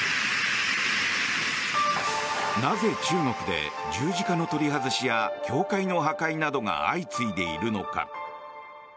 なぜ中国で、十字架の取り外しや教会の破壊などが相次いでいるのか。